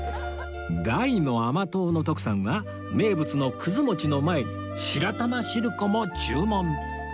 大の甘党の徳さんは名物のくず餅の前に白玉しるこも注文